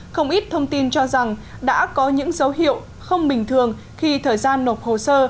không ít thông tin cho rằng đã có những dấu hiệu không bình thường khi thời gian nộp hồ sơ